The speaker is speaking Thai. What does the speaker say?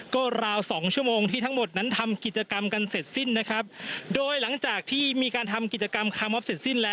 การเลือกซ่อมให้หรือยมีการทำกิจกรรมกันเสร็จสิ้น